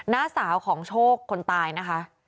น้าสาวของโชคคนตายนะคะ